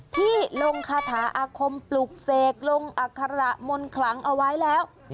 ที่ลงคาถาอาคมปลุกเสกลงอัคระมนต์คลังเอาไว้แล้ว